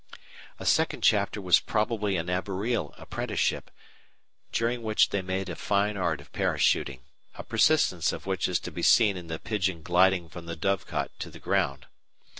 A second chapter was probably an arboreal apprenticeship, during which they made a fine art of parachuting a persistence of which is to be seen in the pigeon "gliding" from the dovecot to the ground.